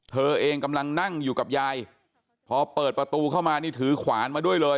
เธอเองกำลังนั่งอยู่กับยายพอเปิดประตูเข้ามานี่ถือขวานมาด้วยเลย